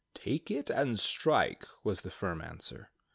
"Take it and strike," was the firm answer.